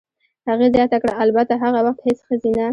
هغې زیاته کړه: "البته، هغه وخت هېڅ ښځینه.